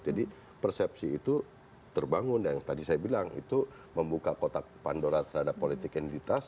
jadi persepsi itu terbangun yang tadi saya bilang itu membuka kotak pandora terhadap politik yang ditas